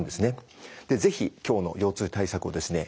是非今日の腰痛対策をですね